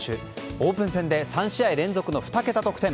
オープン戦で３試合連続の２桁得点。